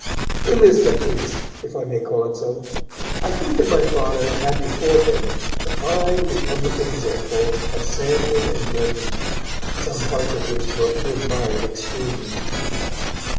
In this caprice, if I may call it so, I think that my Father had before him the fine republican example of 'Sandford and Merton', some parts of which book he admired extremely.